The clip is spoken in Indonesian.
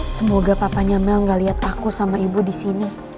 semoga papanya mel gak liat aku sama ibu disini